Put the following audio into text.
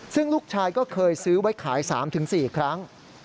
ซึ่งลูกชายก็เคยซื้อไว้ขาย๓๔ครั้ง